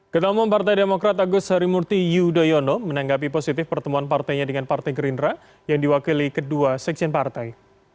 ketemu partai demokrat agus harimurti yudhoyono menanggapi positif pertemuan partainya dengan partai gerindra yang diwakili kedua sekjen partai